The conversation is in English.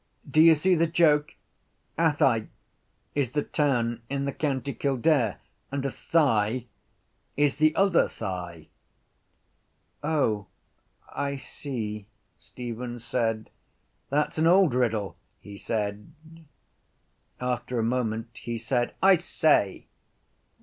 Do you see the joke? Athy is the town in the county Kildare and a thigh is the other thigh. —Oh, I see, Stephen said. —That’s an old riddle, he said. After a moment he said: —I say!